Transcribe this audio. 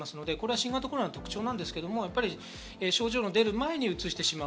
新型コロナの特徴ですが症状が出る前にうつしてしまう。